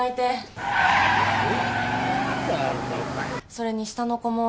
それに下の子も。